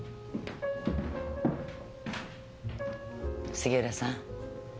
杉浦さん